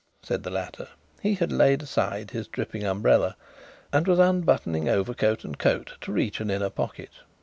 said the latter. He had laid aside his dripping umbrella and was unbuttoning overcoat and coat to reach an inner pocket.